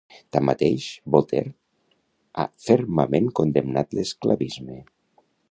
Tanmateix, Voltaire ha fermament condemnat l'esclavisme.